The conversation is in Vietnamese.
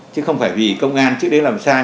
chứ không phải vì công an trước đến làm sai